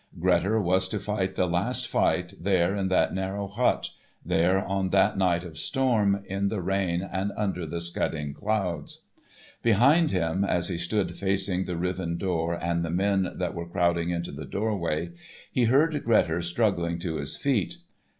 Grettir was to fight the Last Fight there in that narrow hut, there on that night of storm, in the rain and under the scudding clouds. Behind him, as he stood facing the riven door and the men that were crowding into the doorway, he heard Grettir struggling to his feet.